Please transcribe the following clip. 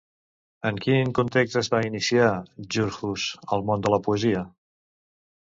En quin context es va iniciar Djurhuus al món de la poesia?